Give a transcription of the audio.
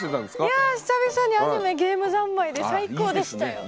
いや久々にアニメゲーム三昧で最高でしたよ。